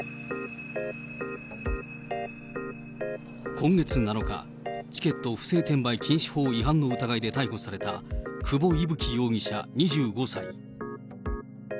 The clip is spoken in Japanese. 今月７日、チケット不正転売禁止法違反の疑いで逮捕された久保威吹容疑者２５歳。